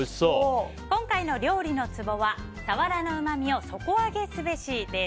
今回の料理のツボはサワラのうまみを底上げすべしです。